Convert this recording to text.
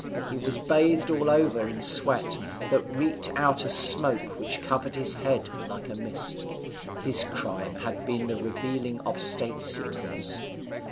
He was bathed all over in sweat, that reeked out a smoke which covered his head like a mist. His crime had been the revealing of state secrets.